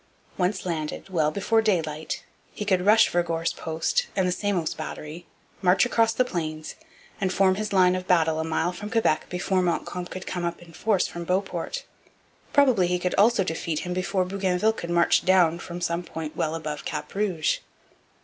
Once landed, well before daylight, he could rush Vergor's post and the Samos battery, march across the Plains, and form his line of battle a mile from Quebec before Montcalm could come up in force from Beauport. Probably he could also defeat him before Bougainville could march down from some point well above Cap Rouge.